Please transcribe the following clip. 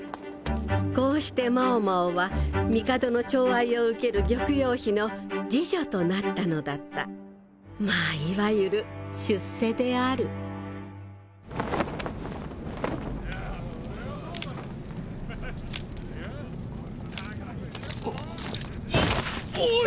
こうして猫猫は帝の寵愛を受ける玉葉妃の侍女となったのだったまぁいわゆる出世である・いやそれはそうだろ・・ハハハ・・あっ・おい！